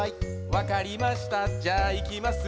わかりましたじゃあいきます